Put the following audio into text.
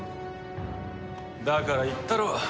だから言ったろ。